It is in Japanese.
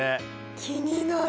気になる！